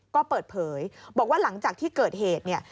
ก็เปิดเผยบอกว่าหลังจากที่เกิดเหตุเนี่ย